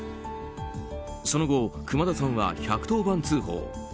その後、熊田さんは１１０番通報。